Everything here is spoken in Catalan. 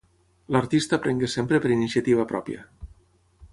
L’artista aprengué sempre per iniciativa pròpia.